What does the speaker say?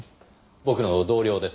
僕の同僚です。